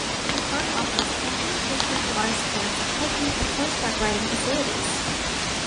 The park offers camping, fishing, watersports, hiking and horseback riding facilities.